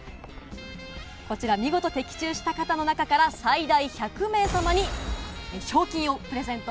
こちら、見事的中した方の中から最大１００名様に賞金をプレゼント。